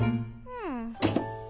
うん。